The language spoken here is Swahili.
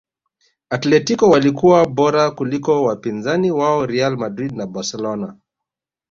atletico walikuwa bora kuliko wapinzani wao real madrid na barcelona